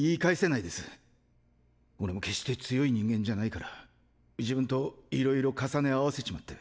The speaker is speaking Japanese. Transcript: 俺も決して強い人間じゃないから自分といろいろ重ね合わせちまって。